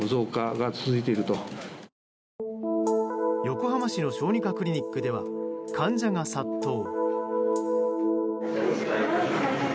横浜市の小児科クリニックでは患者が殺到。